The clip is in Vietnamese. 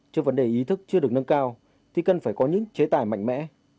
trước vấn đề ý thức chưa được nâng cao thì cần phải có những chế tài mạnh mẽ